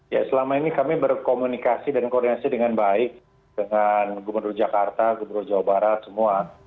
ya selama ini kami berkomunikasi dan koordinasi dengan baik dengan gubernur jakarta gubernur jawa barat semua